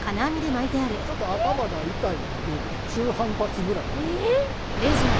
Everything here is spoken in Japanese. ちょっと頭が痛いので中反発ぐらいの。え！